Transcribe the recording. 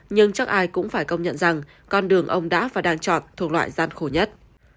nhưng chắc ai cũng phải công nhận rằng con đường ông đã và đang chọn thuộc loại gian khổ nhất